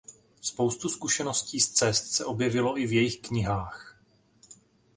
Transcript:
Spoustu zkušeností z cest se objevilo i v jejich knihách.